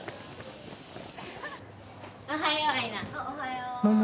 おはよう。